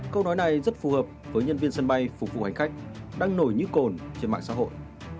câu nói này rất phù hợp với nhân viên sân bay phục vụ hành khách đang nổi như cồn trên mạng xã hội